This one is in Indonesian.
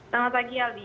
selamat pagi aldi